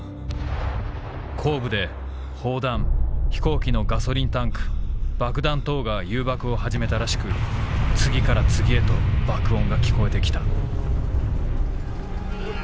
後部で砲弾飛行機のガソリンタンク爆弾等が誘爆を始めたらしく次から次へと爆音が聞こえて来た」。